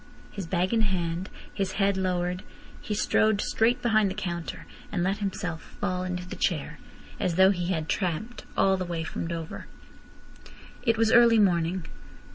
His bag in hand, his head lowered, he strode straight behind the counter, and let himself fall into the chair, as though he had tramped all the way from Dover. It was early morning.